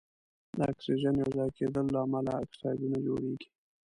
د اکسیجن یو ځای کیدلو له امله اکسایدونه جوړیږي.